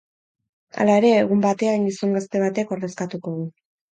Hala ere, egun batean gizon gazte batek ordezkatuko du.